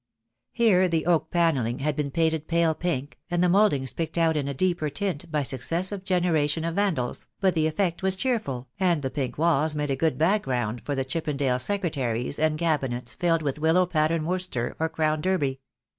Here the oak panel ling had been painted pale pink, and the mouldings picked out in a deeper tint by successive generation of Vandals, but the effect was cheerful, and the pink walls made a good background for the Chippendale secretaires and cabinets filled with willow pattern Worcester or Crown Derby.